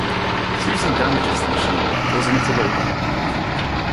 Susan damages the machine, causing it to open.